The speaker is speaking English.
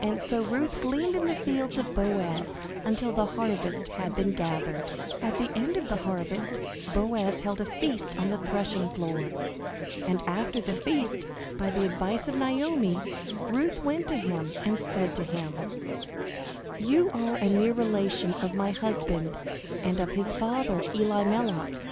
And so Ruth gleaned in the fields of Boaz until the harvest had been gathered. At the end of the harvest, Boaz held a feast on the threshing floor. And after the feast, by the advice of Naomi, Ruth went to him, and said to him: "You are a near relation of my husband and of his father, Elimelech.